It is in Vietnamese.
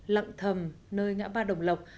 lặng thầm nơi ngã ba đồng lộc